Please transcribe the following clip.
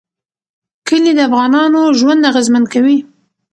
کلي د افغانانو ژوند اغېزمن کوي.